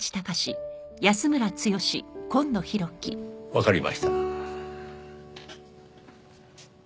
わかりました。